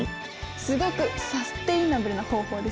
すごくサステイナブルな方法ですよ。